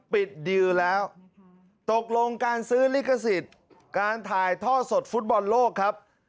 ดิวแล้วตกลงการซื้อลิขสิทธิ์การถ่ายท่อสดฟุตบอลโลกครับ